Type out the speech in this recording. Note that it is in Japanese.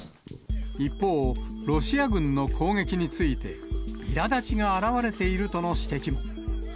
一方、ロシア軍の攻撃について、いらだちが表れているとの指摘も。